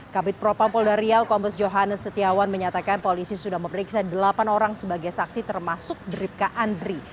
kabupaten propang polda riau kompos johanes setiawan menyatakan polisi sudah memeriksa delapan orang sebagai saksi termasuk beribka andri